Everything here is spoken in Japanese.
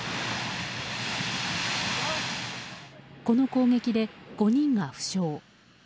この攻撃で５人が負傷。